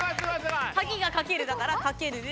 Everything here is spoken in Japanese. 鍵が掛けるだから掛けるで。